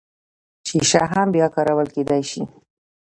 شیشه هم بیا کارول کیدی شي